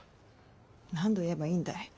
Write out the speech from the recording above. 何度言えばいいんだい。